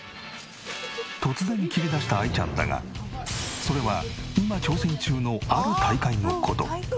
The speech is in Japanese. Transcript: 突然切り出したあいちゃんだがそれは今挑戦中のある大会の事。